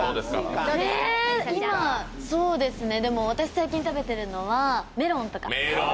私、最近食べてるのはメロンとか。